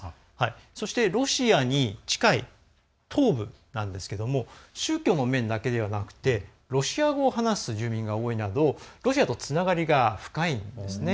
そして、ロシアに近い東部なんですけれども宗教の面だけではなくてロシア語を話す住民が多いなど、ロシアとつながりが深いんですね。